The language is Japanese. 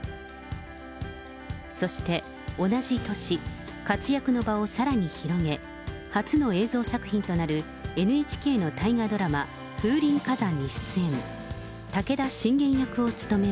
そして、同じ年、活躍の場をさらに広げ、初の映像作品となるＮＨＫの大河ドラマ、風林火山に出演。